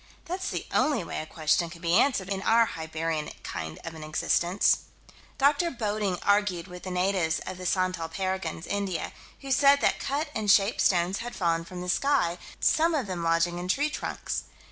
That's the only way a question can be answered in our Hibernian kind of an existence. Dr. Bodding argued with the natives of the Santal Parganas, India, who said that cut and shaped stones had fallen from the sky, some of them lodging in tree trunks.